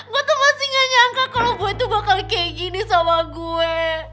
gue tuh masih gak nyangka kalau gue itu bakal kayak gini sama gue